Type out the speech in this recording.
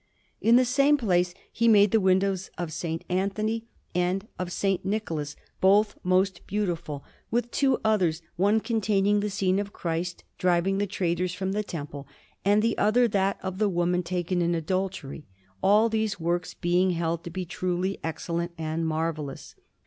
In the same place he made the window of S. Anthony and that of S. Nicholas, both most beautiful, with two others, one containing the scene of Christ driving the traders from the Temple, and the other that of the woman taken in adultery; all these works being held to be truly excellent and marvellous.